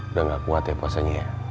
udah gak kuat ya puasanya ya